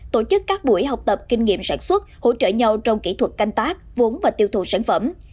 tổ chức các buổi học tập kinh nghiệm sản xuất hỗ trợ nhau trong kỹ thuật canh tác vốn và tiêu thụ sản phẩm